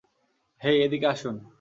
হেই, এদিকে আসুন।